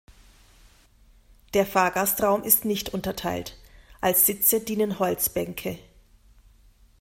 Der Fahrgastraum ist nicht unterteilt, als Sitze dienen Holzbänke.